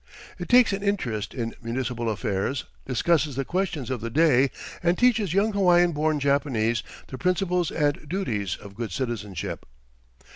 It takes an interest in municipal affairs, discusses the questions of the day, and teaches young Hawaiian born Japanese the principles and duties of good citizenship.